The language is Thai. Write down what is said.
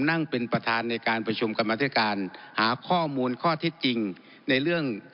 นั่งเป็นประธานในการประชุมกรรมธิการหาข้อมูลข้อเท็จจริงในเรื่อง